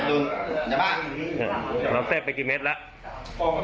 ทำวันเจ็บไปกี่เมตรแล้ว